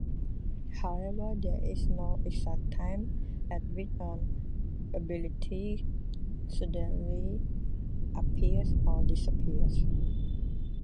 However, there is no exact time at which an ability suddenly appears or disappears.